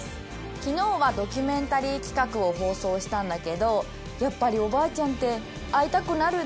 昨日はドキュメンタリー企画を放送したんだけどやっぱりおばあちゃんって会いたくなるね。